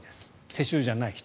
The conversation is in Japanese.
世襲じゃない人。